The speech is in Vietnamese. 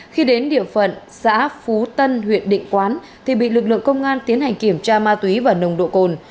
khi đến địa phận xã phú tân huyện định quán thì bị lực lượng công an tiến hành kiểm tra ma túy và nồng độ cồn